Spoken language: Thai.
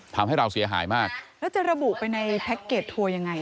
ทำให้เราเสียหายมากแล้วจะระบุไปในแพ็คเกจทัวร์ยังไง